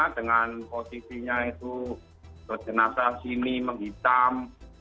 dengan posisinya itu jenazah sini menghitam